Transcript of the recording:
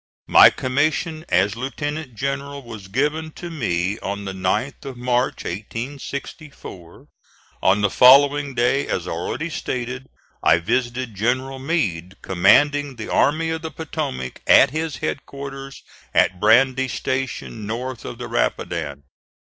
My commission as lieutenant general was given to me on the 9th of March, 1864. On the following day, as already stated, I visited General Meade, commanding the Army of the Potomac, at his headquarters at Brandy Station, north of the Rapidan.